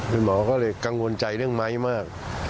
คุณหมอก็เลยกังวลใจเรื่องไม้มาก